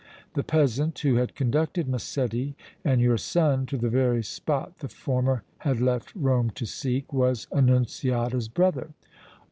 The peasant, who had conducted Massetti and your son to the very spot the former had left Rome to seek, was Annunziata's brother.